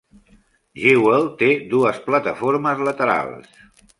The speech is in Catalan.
Jewell té dues plataformes laterals.